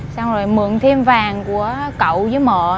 xong rồi mượn thêm vàng của cậu với mợ